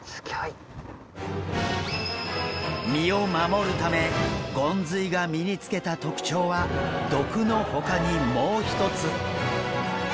身を守るためゴンズイが身につけた特徴は毒のほかにもう一つ。